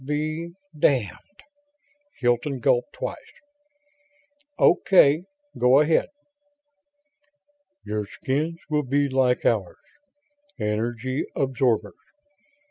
be ... damned...." Hilton gulped twice. "Okay, go ahead." "Your skins will be like ours, energy absorbers.